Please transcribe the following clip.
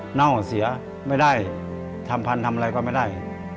เน่าเสียไม่ได้ทำพันธุ์ทำอะไรก็ไม่ได้